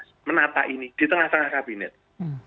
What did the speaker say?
saya tidak bermaksud membela beliau atau tidak